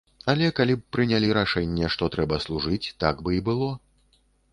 Але калі б прынялі рашэнне, што трэба служыць, так бы і было.